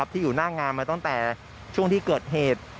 ที่อยู่หน้างานมาตั้งแต่ช่วงที่เกิดเหตุ